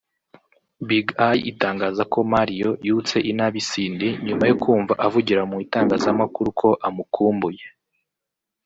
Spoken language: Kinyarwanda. Big Eye itangaza ko Mario yutse inabi Cindy nyuma yo kumva avugira mu itangazamakuru ko amukumbuye